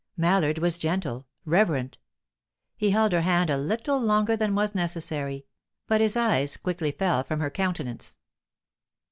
Mallard was gentle, reverent; he held her hand a little longer than was necessary, but his eyes quickly fell from her countenance.